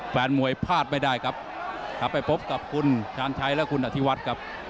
แฟนมวยพลาดไม่ได้ครับครับไปพบกับคุณชาญชัยและคุณอธิวัฒน์ครับ